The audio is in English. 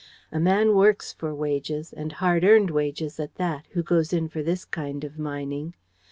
A man works for wages, and hard earned wages at that, who goes in for this kind of mining.